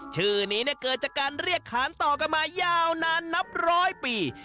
ชื่อนี้เกิดจากการเรียกขานต่อกันมายาวนานนับร้อยปี